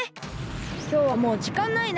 きょうはもうじかんないな。